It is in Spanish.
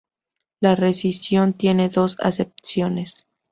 La rescisión tiene dos acepciones.